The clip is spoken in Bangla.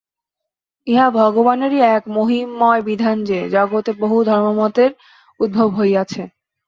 ইহা ভগবানেরই এক মহিমময় বিধান যে, জগতে বহু ধর্মমতের উদ্ভব হইয়াছে।